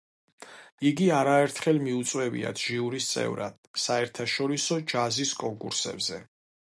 იგი არაერთხელ მიუწვევიათ ჟიურის წევრად საერთაშორისო ჯაზის კონკურსებზე.